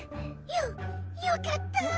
・よよかった。